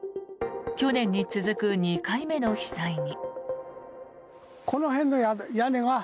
去年に続く２回目の被災に。